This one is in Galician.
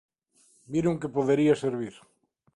Viron que podería servir.